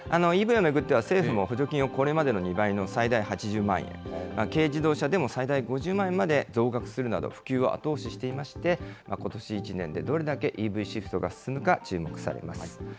ＥＶを巡っては、政府も補助金をこれまでの２倍の最大８０万円、軽自動車でも最大５０万円まで増額するなど、普及を後押ししていまして、ことし一年でどれだけＥＶシフトが進むか注目されます。